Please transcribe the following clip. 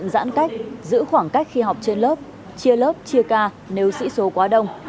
giãn cách giữ khoảng cách khi học trên lớp chia lớp chia ca nếu sĩ số quá đông